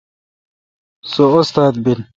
سو استاد بیل۔